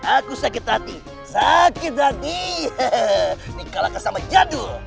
aku sakit hati sakit hati hehehe di kalahkan sama jadul